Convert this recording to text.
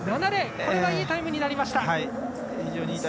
非常にいいタイムになりました。